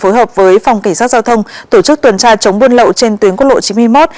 phối hợp với phòng cảnh sát giao thông tổ chức tuần tra chống buôn lậu trên tuyến quốc lộ chín mươi một